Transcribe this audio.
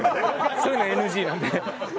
そういうのＮＧなん？